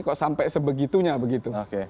kok sampai sebegitunya begitu